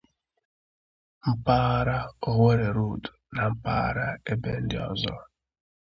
mpaghara 'Owerri Road' na mpaghara ebe ndị ọzọ